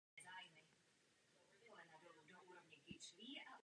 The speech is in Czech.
Nemám nejmenších pochyb, že Lisabonská smlouva brzy vstoupí v platnost.